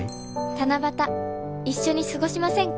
「七夕一緒に過ごしませんか？」